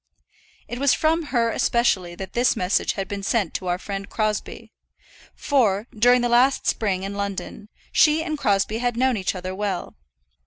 It was from her especially that this message had been sent to our friend Crosbie; for, during the last spring in London, she and Crosbie had known each other well.